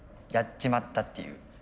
やっちまったっていう。